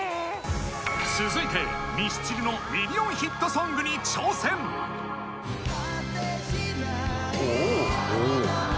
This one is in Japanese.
続いてミスチルのミリオンヒットソングに挑戦おおっ